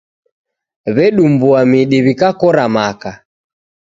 W'edumbua midi w'ikakora maka.